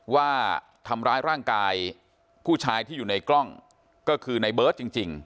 ว่าทำร้ายร่างกายผู้ชายที่อยู่ในกล้องก็คือในเบิร์ตจริง